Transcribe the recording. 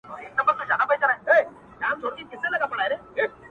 o خیال دي ـ